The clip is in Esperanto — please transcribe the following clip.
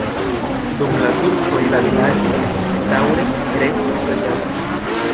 Dum la turkoj la vilaĝo daŭre restis loĝata.